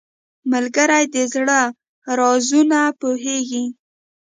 ملګری د زړه رازونه پوهیږي